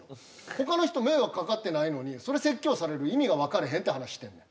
他の人迷惑かかってないのにそれ説教される意味が分かれへんって話してるねん